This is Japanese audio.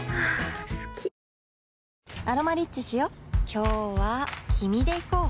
今日は君で行こう